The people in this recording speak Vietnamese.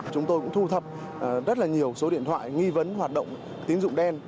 chúng tôi cũng thu thập rất là nhiều số điện thoại nghi vấn hoạt động tín dụng đen